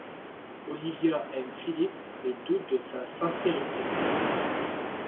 Olivia aime Philippe mais doute de sa sincérité.